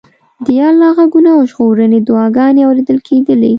د یا الله غږونه او ژړغونې دعاګانې اورېدل کېدلې.